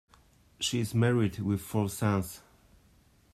She is married with four sons.